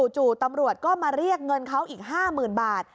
จู่ตำรวจก็มาเรียกเงินเขาอีก๕๐๐๐บาท